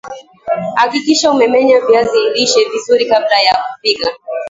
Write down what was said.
hakikisha umemenya viazi lishe vizuri kabla ya kupika